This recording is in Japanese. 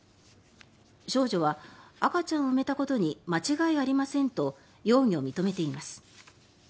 少女は、赤ちゃんを埋めたことに間違いありませんと容疑を認めています。